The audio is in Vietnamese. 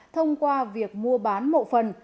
thông qua việc mua bán mộ phần